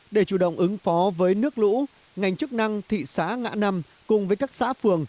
để chủ động ứng phó với nước lũ ngành chức năng thị xã ngã năm cùng với các xã phường